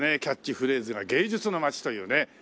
キャッチフレーズが芸術の街というね。